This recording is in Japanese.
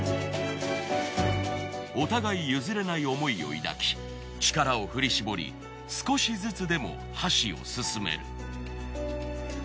お互い譲れない思いを抱き力を振りしぼり少しずつでも箸を進める。